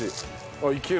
あっいける？